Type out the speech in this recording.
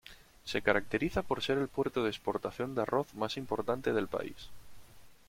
Se caracteriza por ser el puerto de exportación de arroz más importante del país.